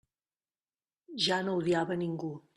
Ja no odiava a ningú.